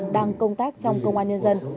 đang công tác trong công an nhân dân